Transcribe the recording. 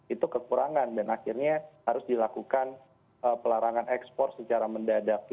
itu kekurangan dan akhirnya harus dilakukan pelarangan ekspor secara mendadak